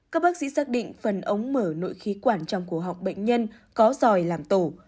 các bác sĩ xác định phần ống mở nội khí quản trong cổ học bệnh nhân có giỏi làm tổ